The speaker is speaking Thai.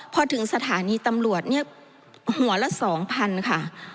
พอถึงสถานีตำรวจเนี่ยหัวละ๒๐๐๐ค่ะ